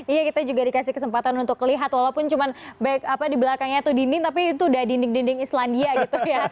iya kita juga dikasih kesempatan untuk lihat walaupun cuma di belakangnya itu dinding tapi itu udah dinding dinding islandia gitu ya